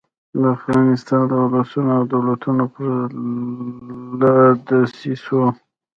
د افغانستان د اولسونو او دولتونو پر ضد له دسیسو.